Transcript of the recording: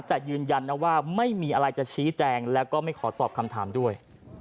แต่ยืนยันนะว่าไม่มีอะไรจะชี้แจงแล้วก็ไม่ขอตอบคำถามด้วย